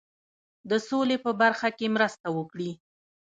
د سولي په برخه کې مرسته وکړي.